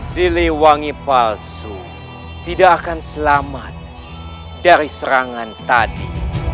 siliwangi palsu tidak akan selamat dari serangan tadi